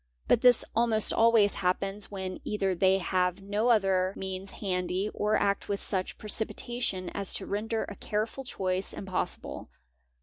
but this almost always happens when either they have no other means handy or act with such precipitation as to render a care — ful choice impossible.